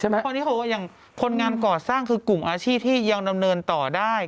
เพราะนี่เขาบอกว่าอย่างคนงานก่อสร้างคือกลุ่มอาชีพที่ยังดำเนินต่อได้